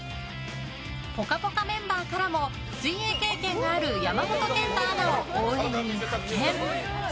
「ぽかぽか」メンバーからも水泳経験がある山本賢太アナを応援に派遣！